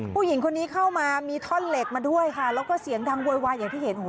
ผู้หญิงคนนี้เข้ามามีท่อนเหล็กมาด้วยค่ะแล้วก็เสียงดังโวยวายอย่างที่เห็น